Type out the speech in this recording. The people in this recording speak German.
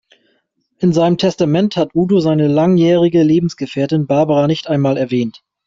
In seinem Testament hat Udo seine langjährige Lebensgefährtin Barbara nicht einmal erwähnt.